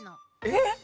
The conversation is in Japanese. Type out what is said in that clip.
えっ⁉